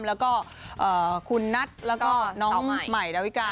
แล้วก็คุณนัทแล้วก็น้องใหม่ดาวิกา